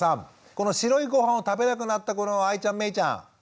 この白いごはんを食べなくなったあいちゃんめいちゃんねえ